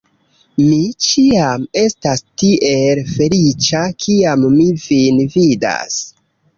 Mi ĉiam estas tiel feliĉa, kiam mi vin vidas!